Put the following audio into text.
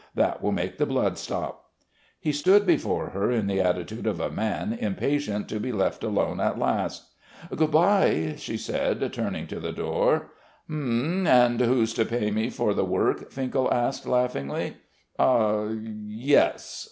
"That will make the blood stop." He stood before her in the attitude of a man impatient to be left alone at last. "Good bye ..." she said, turning to the door. "H'm! And who's to pay me for the work?" Finkel asked laughingly. "Ah ... yes!"